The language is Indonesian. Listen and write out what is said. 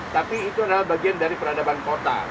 tapi itu adalah bagian dari peradaban kota